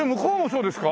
そうです。